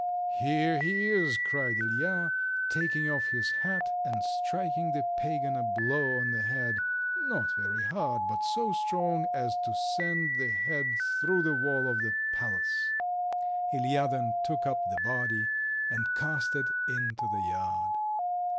"Here he is," cried Ilija, taking off his hat, and striking the pagan a blow on the head, not very hard, but so strong as to send the head through the wall of the palace. Ilija then took up the body and cast it into the yard.